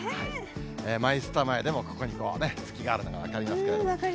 マイスタ前でも、ここにこうね、月があるのが分かりますけれども。